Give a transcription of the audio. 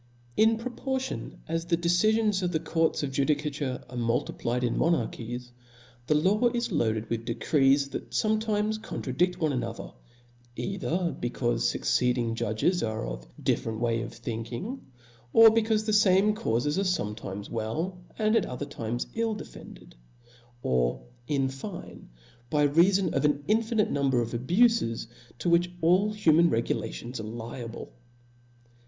In O F L A W S. 105 la proportion as the decifioniB of the courts of B o o c judicature are multiplied in monarchies, the law is q^^' loaded with decrees that fometimes contradifl: one another , either becaufe fuccecding judges are of a different way of thinkings or becaufe the fame cauf^s are fometimes well, and at other times ill defended ; or, in fine, by reafon of an infinite number, of abufes, to which all human regulations ~ are liable.